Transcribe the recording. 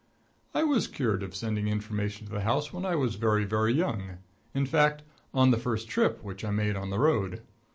I was cured of sending information to the house when I was very, very young in fact, on the first trip which I made on the road.